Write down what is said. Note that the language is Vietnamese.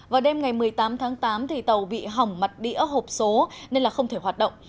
vào đêm ngày một mươi tám tháng tám tàu bị hỏng mặt đĩa hộp số nên không thể hoạt động